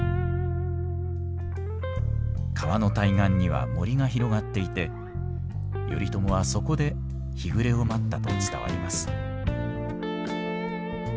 川の対岸には森が広がっていて頼朝はそこで日暮れを待ったと伝わります。